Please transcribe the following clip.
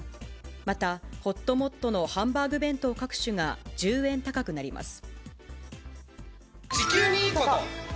また、ほっともっとのハンバーグ弁当各種が１０円高くなります。